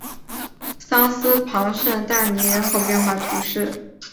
桑斯旁圣但尼人口变化图示